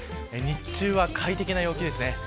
日中は快適な陽気です。